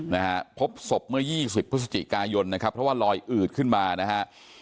นะฮะพบศพเมื่อยี่สิบพฤศจิกายนนะครับเพราะว่าลอยอืดขึ้นมานะฮะ